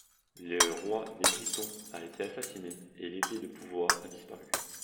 Le roi des Britons a été assassiné et l’Épée de pouvoir a disparu.